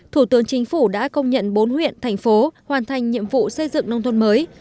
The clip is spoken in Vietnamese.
thủ tướng chính phủ đã công nhận bốn huyện thành phố hoàn thành nhiệm vụ xây dựng nông thôn mới